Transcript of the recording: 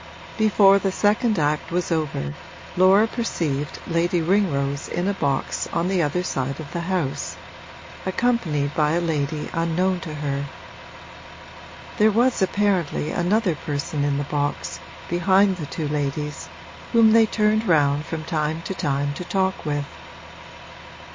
Before the second act was over Laura perceived Lady Ringrose in a box on the other side of the house, accompanied by a lady unknown to her. There was apparently another person in the box, behind the two ladies, whom they turned round from time to time to talk with.